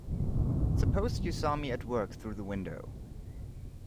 Suppose you saw me at work through the window.